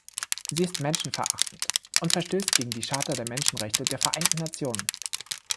Sie ist menschenverachtend und verstößt gegen die Charta der Menschenrechte der Vereinten Nationen.